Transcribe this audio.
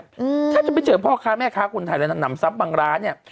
ถ้าจะไปเจอพ่อค้าแม่ค้าคนไทยและหนำทรัพย์บางร้าน